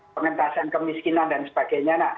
pengentasan kemiskinan dan sebagainya